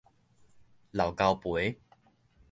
老交陪